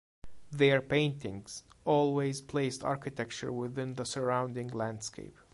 Their paintings always placed architecture within the surrounding landscape.